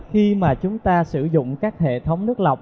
khi mà chúng ta sử dụng các hệ thống nước lọc